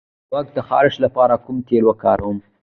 د غوږ د خارش لپاره کوم تېل وکاروم؟